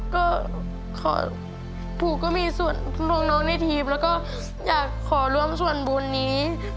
ก็ขอปู่ก็มีส่วนห่วงน้องในทีมแล้วก็อยากขอร่วมส่วนบุญนี้